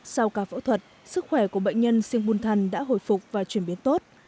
sau ca phẫu thuật sức khỏe của bệnh nhân siêng bùn thăn đã hồi phục và chuyển biến tốt